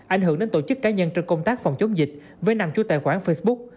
ảnh hưởng đến tổ chức cá nhân trong công tác phòng chống dịch với năm chú tài khoản facebook